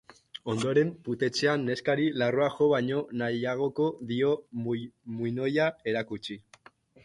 Ondoren, putetxean, neskari larrua jo baino nahiagoko dio muinoia erakutsi.